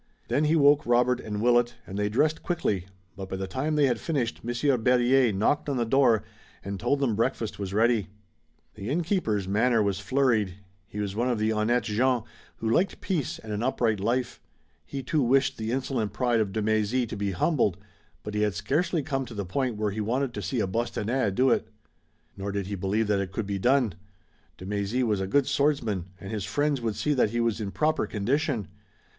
Then he woke Robert and Willet, and they dressed quickly, but by the time they had finished Monsieur Berryer knocked on the door and told them breakfast was ready. The innkeeper's manner was flurried. He was one of the honnêtes gens who liked peace and an upright life. He too wished the insolent pride of de Mézy to be humbled, but he had scarcely come to the point where he wanted to see a Bostonnais do it. Nor did he believe that it could be done. De Mézy was a good swordsman, and his friends would see that he was in proper condition.